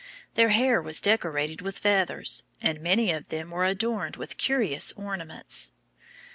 Their hair was decorated with feathers, and many of them were adorned with curious ornaments.